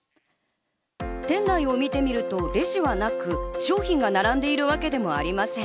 店内を見てみるとレジはなく、商品が並んでいるわけでもありません。